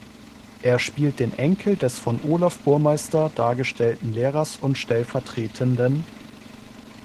Er spielt den Enkel des von Olaf Burmeister dargestellten Lehrers und stv.